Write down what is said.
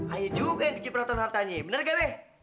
ai juga yang kecipratan hartanya bener gak be